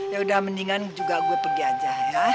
ya udah mendingan juga gue pergi aja ya